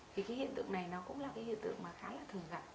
thì cái hiện tượng này nó cũng là cái hiện tượng mà khá là thường gặp